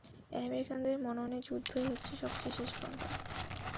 আমেরিকানদের মননে যুদ্ধই হচ্ছে সবচেয়ে শেষ পন্থা।